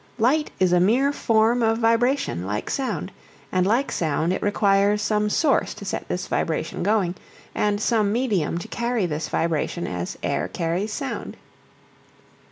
Light is a mere form of vibration like sound, and like sound it requires some source to set this vibration going, and some medium to carry this vibration as air carries sound.